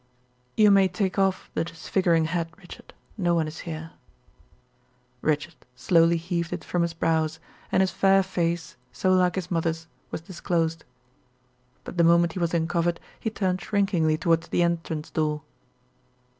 "You may take off the disfiguring hat, Richard. No one is here." Richard slowly heaved it from his brows, and his fair face, so like his mother's, was disclosed. But the moment he was uncovered he turned shrinkingly toward the entrance door.